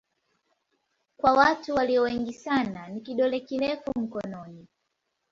Kwa watu walio wengi sana ni kidole kirefu mkononi.